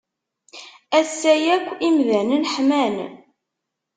Ass-a yakk imdanen ḥman.